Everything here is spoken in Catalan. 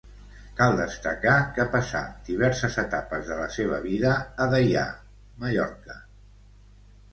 Cal destacar que passà diverses etapes de la seva vida a Deià, Mallorca.